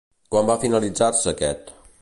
Quan va finalitzar-se aquest?